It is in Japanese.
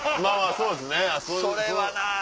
それはな。